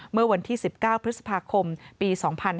เมื่อวันที่๑๙พฤษภาคมปี๒๕๕๙